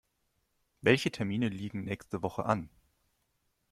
Welche Termine liegen nächste Woche an?